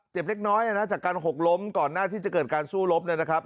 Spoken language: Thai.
เล็กน้อยนะจากการหกล้มก่อนหน้าที่จะเกิดการสู้รบเนี่ยนะครับ